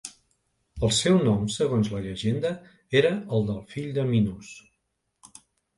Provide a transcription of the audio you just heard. El seu nom segons la llegenda era el del fill de Minos.